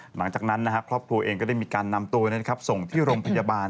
หลังจากนั้นครอบครัวเองก็ได้มีการนำตัวส่งที่โรงพยาบาล